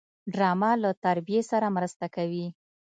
ډرامه له تربیې سره مرسته کوي